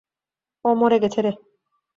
ও মরে গেছে রে।